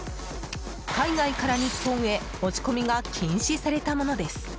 海外から日本へ持ち込みが禁止されたものです。